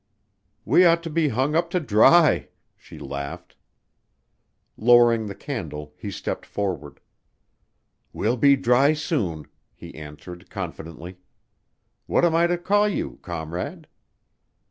"We ought to be hung up to dry," she laughed. Lowering the candle, he stepped forward. "We'll be dry soon," he answered confidently. "What am I to call you, comrade?"